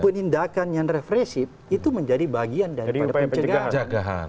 penindakan yang refresif itu menjadi bagian dari pencegahan